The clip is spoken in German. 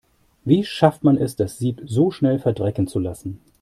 Wie schafft man es, das Sieb so schnell verdrecken zu lassen?